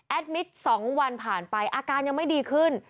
มิตร๒วันผ่านไปอาการยังไม่ดีขึ้น